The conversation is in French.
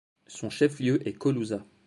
Son chef-lieu est Colusa.